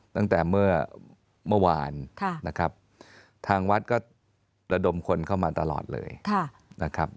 ตั้งแต่เมื่อเมื่อวานนะครับทางวัดก็ระดมคนเข้ามาตลอดเลยนะครับ